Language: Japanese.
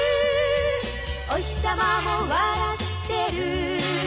「おひさまも笑ってる」